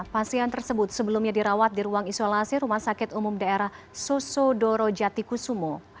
pasien tersebut sebelumnya dirawat di ruang isolasi rumah sakit umum daerah susodoro jatikusumo